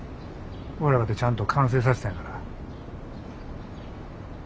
俺らかてちゃんと完成さしたんやから。